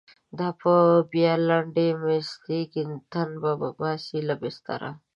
دا به بیا لنډۍ مستیږی، تن به باسی له بستره